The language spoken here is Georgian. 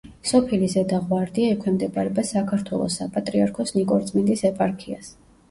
სოფელი ზედა ღვარდია ექვემდებარება საქართველოს საპატრიარქოს ნიკორწმინდის ეპარქიას.